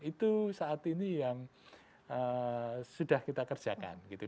itu saat ini yang sudah kita kerjakan gitu